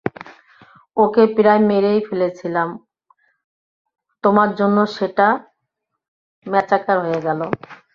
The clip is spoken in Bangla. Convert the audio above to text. ওকে প্রায় মেরেই ফেলেছিলাম, তোমার জন্য সেটা ম্যাচাকার হয়ে গেলো।